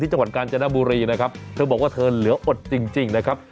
จังหวัดกาญจนบุรีนะครับเธอบอกว่าเธอเหลืออดจริงนะครับ